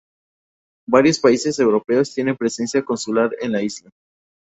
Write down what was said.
Varios países europeos tienen presencia consular en la isla.